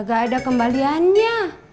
gak ada kembaliannya